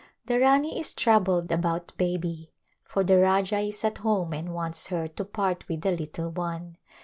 The Rani is troubled about baby, for the Rajah is at home and wants her to part with the little one.